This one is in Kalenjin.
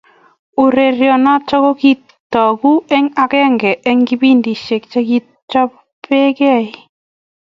Urerionoto ko kitogu eng akenge eng kipintishe che kichobekei.